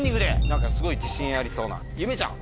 何かすごい自信ありそうなゆめちゃん